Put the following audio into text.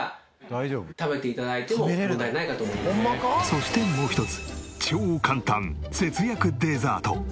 そしてもう一つ超簡単節約デザート。